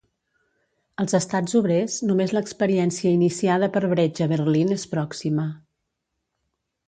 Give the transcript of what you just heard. Als Estats obrers només l'experiència iniciada per Brecht a Berlín és pròxima.